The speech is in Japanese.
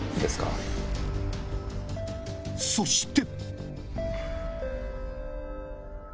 そして！